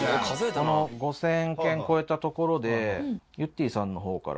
この５０００件超えたところでゆってぃさんのほうから。